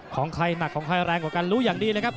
ของใครหนักของใครแรงกว่ากันรู้อย่างดีเลยครับ